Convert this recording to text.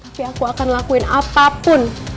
tapi aku akan lakuin apapun